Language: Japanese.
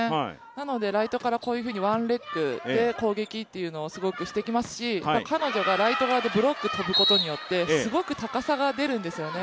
なのでライトからこういうふうに、ワンレッグで攻撃っていうのをすごくしてきますし、彼女がライト側でブロック跳ぶことによってすごく高さが出るんですよね。